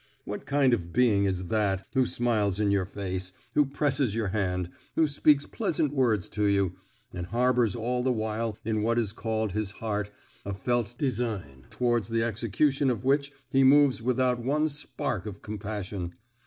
What kind of being is that who smiles in your face, who presses your hand, who speaks pleasant words to you, and harbours all the while in what is called his heart a fell design towards the execution of which he moves without one spark of compassion?